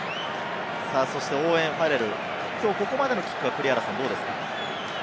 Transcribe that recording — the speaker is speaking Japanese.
そしてオーウェン・ファレル、きょう、ここまでのキックはどうですか？